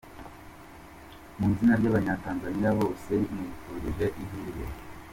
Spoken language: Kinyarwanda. Mu izina ry’abanyatanzaniya bose, nkwifurije ihirwe.